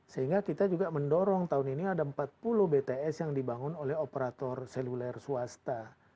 sehingga kita juga mendorong tahun ini ada empat puluh bts yang dibangun oleh operator seluler swasta